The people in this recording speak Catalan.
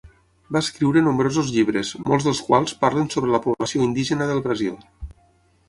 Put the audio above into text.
Va escriure nombrosos llibres, molts dels quals parlen sobre la població indígena del Brasil.